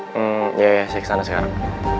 hmm ya ya saya ke sana sekarang